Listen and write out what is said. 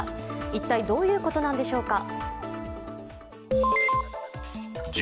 一体どういうことなんでしょうか。